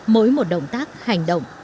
mỗi một động tác hành động